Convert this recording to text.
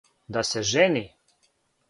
Да се жени?